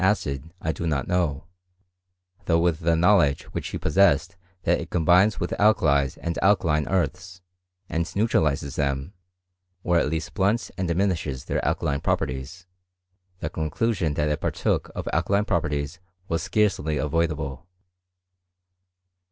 acid I do not know ; though with the knowledge whictc he possessed that it combines with alkalies and alkaline earths, and neutralizes them, or at least blunts and di* minishes their alkaline properties, the conclusion that it partook of alkaline properties was scarcely avoidable.